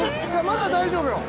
まだ大丈夫よ。